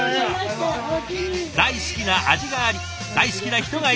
大好きな味があり大好きな人がいる。